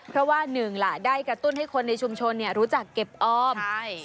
เพราะว่าหนึ่งล่ะได้กระตุ้นให้คนในชุมชนรู้จักเก็บออม